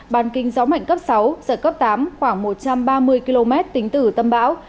bàn kinh gió mạnh cấp sáu giật cấp tám khoảng một trăm ba mươi km tính từ tâm bão